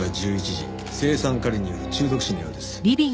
青酸カリによる中毒死のようです。